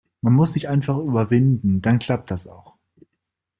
Man muss sich einfach überwinden. Dann klappt das auch.